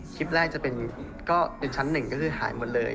คลิปแรกจะเป็นก็เป็นชั้นหนึ่งก็คือหายหมดเลย